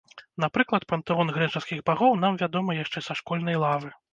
Напрыклад, пантэон грэчаскіх багоў нам вядомы яшчэ са школьнай лавы.